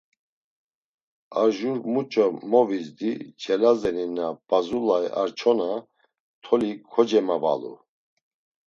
Ar jur muç̌o movizdi Celazeni na p̌azulay ar çona toli kocemavalu.